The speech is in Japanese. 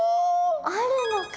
あるのか！